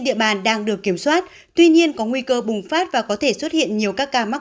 địa bàn đang được kiểm soát tuy nhiên có nguy cơ bùng phát và có thể xuất hiện nhiều các ca mắc